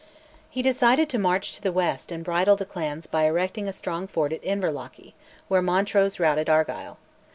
He decided to march to the west and bridle the clans by erecting a strong fort at Inverlochy, where Montrose routed Argyll.